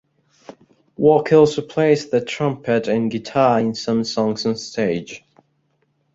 Walker also plays the trumpet and guitar in some songs on stage.